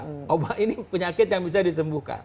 obat ini penyakit yang bisa disembuhkan